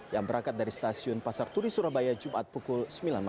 yang berangkat dari stasiun pasar turi surabaya jumat pukul sembilan malam